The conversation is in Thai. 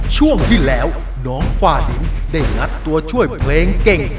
ช่วงที่แล้วน้องฝ้าดินได้งัดตัวช่วยเพลงเก่ง